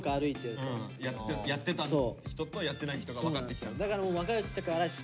やってた人とやってない人が分かってきちゃうんだ。